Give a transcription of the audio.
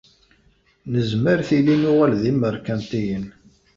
Nezmer tili nuɣal d imeṛkantiyen.